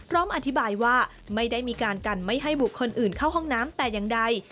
พร้อมอธิบายว่าไม่ได้มีการกันไม่ให้บุคคลอื่นเข้าห้องน้ำแต่อย่างใด